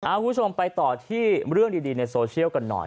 คุณผู้ชมไปต่อที่เรื่องดีในโซเชียลกันหน่อย